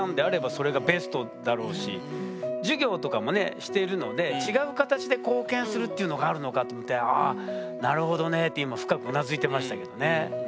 授業とかもねしてるので違う形で貢献するっていうのがあるのかと思ってああなるほどねって今深くうなずいてましたけどね。